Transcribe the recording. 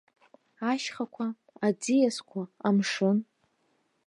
Ашьхақәа, аӡиасқәа, амшын?